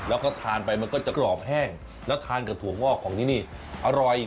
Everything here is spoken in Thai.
แล้วก็ทานไปมันก็จะกรอบแห้งแล้วทานกับถั่วงอกของที่นี่อร่อย